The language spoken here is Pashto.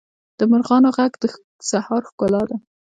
د مرغانو ږغ د سهار ښکلا ده.